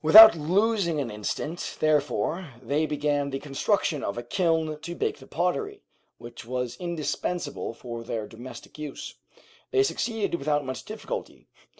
Without losing an instant, therefore, they began the construction of a kiln to bake the pottery, which was indispensable for their domestic use. They succeeded without much difficulty.